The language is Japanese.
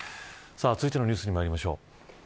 続いてのニュースにまいりましょう。